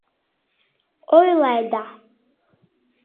Ойло айда.